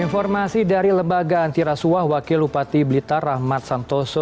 informasi dari lembaga antirasuah wakil upati blitar rahmat santoso